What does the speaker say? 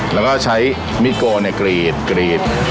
แล้วก็ใช้มิดโกนเนี้ยกรีดกรีด